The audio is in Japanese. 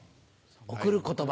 贈る言葉。